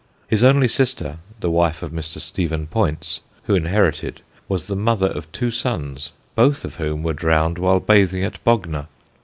His only sister (the wife of Mr. Stephen Poyntz) who inherited, was the mother of two sons both of whom were drowned while bathing at Bognor.